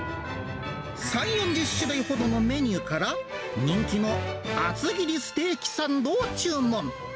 ３、４０種類ほどのメニューから、人気の厚切りステーキサンドを注文。